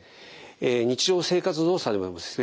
日常生活動作でもですね